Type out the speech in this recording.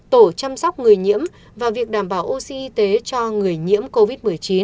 tổ chăm sóc người nhiễm và việc đảm bảo oxy y tế cho người nhiễm covid một mươi chín